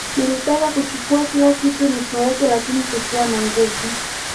Nilitaka kuchukua kila kitu nitoweke lakini sikuwa na nguvu